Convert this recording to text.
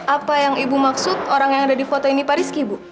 apa yang ibu maksud orang yang ada di foto ini pak rizky ibu